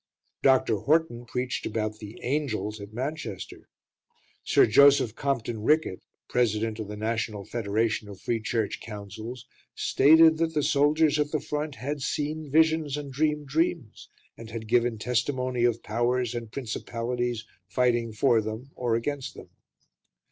Dr. Horton preached about the "angels" at Manchester; Sir Joseph Compton Rickett (President of the National Federation of Free Church Councils) stated that the soldiers at the front had seen visions and dreamed dreams, and had given testimony of powers and principalities fighting for them or against them.